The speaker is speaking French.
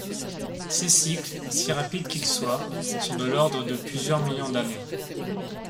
Ces cycles, si rapides qu'ils soient, sont de l'ordre de plusieurs millions d'années.